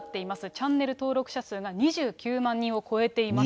チャンネル登録者数が２９万人を超えていまして。